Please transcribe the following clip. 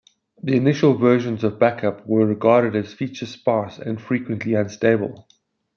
The initial versions of Backup were regarded as feature-sparse and frequently unstable.